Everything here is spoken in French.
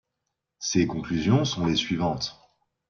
Ses conclusions sont les suivantes.